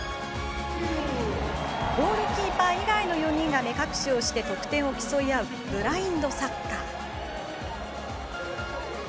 ゴールキーパー以外の４人が目隠しをして得点を競い合うブラインドサッカー。